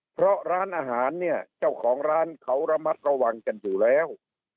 เพราะร้านอาหารเนี่ยเจ้าของร้านเขาระมัดระวังกันอยู่แล้ว